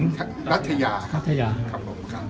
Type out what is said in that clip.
อ๋อร้อยตำรวจหญิงรัฐยาครับ